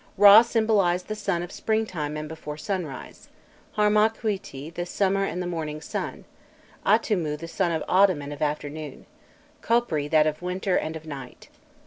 Râ symbolized the sun of springtime and before sunrise, Harmakhûîti the summer and the morning sun, Atûmû the sun of autumn and of afternoon, Khopri that of winter and of night.